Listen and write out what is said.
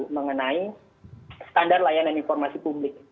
mengenai standar layanan informasi publik